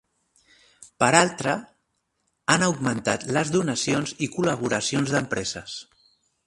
Per altra, han augmentat les donacions i col·laboracions d’empreses.